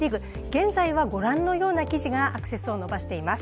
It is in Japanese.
現在はご覧のような記事がアクセスを伸ばしています。